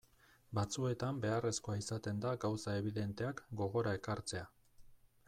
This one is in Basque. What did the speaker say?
Batzuetan beharrezkoa izaten da gauza ebidenteak gogora ekartzea.